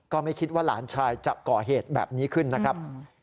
ก็ไม่คิดว่าหลานชายจะก่อเหตุแบบนี้ขึ้นนะครับ